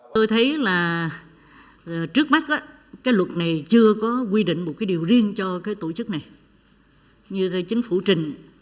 tôi thấy là trước mắt cái luật này chưa có quy định một cái điều riêng cho cái tổ chức này như do chính phủ trình